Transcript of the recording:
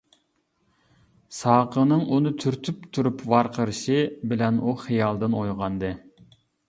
ساقىنىڭ ئۇنى تۈرتۈپ تۇرۇپ ۋارقىرىشى بىلەن ئۇ خىيالدىن ئويغاندى.